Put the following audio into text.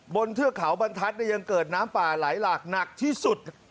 เทือกเขาบรรทัศน์ยังเกิดน้ำป่าไหลหลากหนักที่สุด